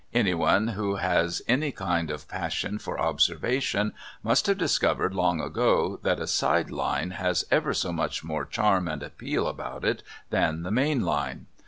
Anyone who has any kind of passion for observation must have discovered long ago that a side line has ever so much more charm and appeal about it than a main line.